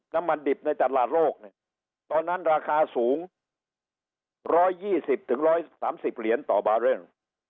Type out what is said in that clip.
น้ำมันดิบในตลาดโลกเนี่ยตอนนั้นราคาสูง๑๒๐๑๓๐เหรียญต่อบาร์เรนด์